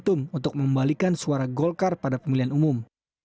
untuk membalikan suara golkar pada pemilihan umum